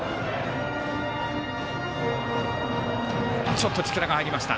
ちょっと力が入りました。